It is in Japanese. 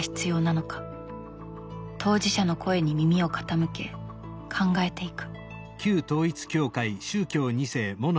当事者の声に耳を傾け考えていく。